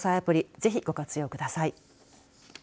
ぜひご活用ください。